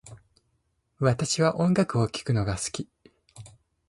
私は音楽を聴くのが好き